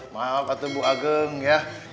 maaf aku nunggu ya